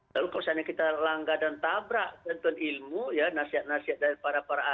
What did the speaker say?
lalu kalau misalnya kita langgar dan tabrak tentuan ilmu ya nasihat nasihatnya ya itu akan jadi kemudahan